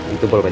itu boleh pak